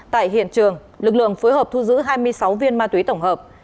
tại hiện trường lực lượng phối hợp thu giữ hai mươi sáu viên ma túy tổng hợp